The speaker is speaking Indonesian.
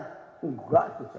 tidak tuh saya